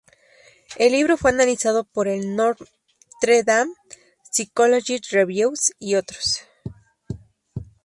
El libro fue analizado por el "Notre Dame Philosophical Reviews" y otros.